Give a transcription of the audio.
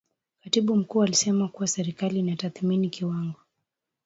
Katibu Mkuu alisema kuwa serikali inatathmini kiwango